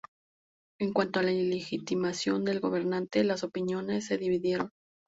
En cuanto a la legitimación del gobernante, las opiniones se dividieron.